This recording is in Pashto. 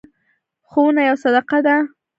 ښوونه یوه صدقه ده.